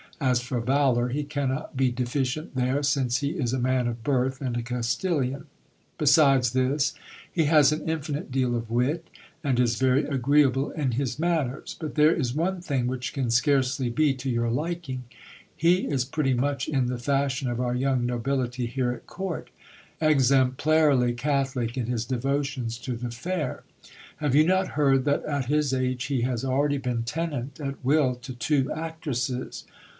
As for valour, he cannot be c eficient there, since he is a man of birth and a Castilian. Besides this, he has an infinite deal of wit, and is very agreeable in his manners ; but there is n6 GIL BLAS. one thing which can scarcely be to your liking. He is pretty much in the fashion i of our young nobility here at court— exemplarily catholic in his devotions to the fair. Have you not heard that at his age he has already been tenant at will to two actresses